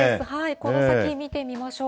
この先見てみましょう。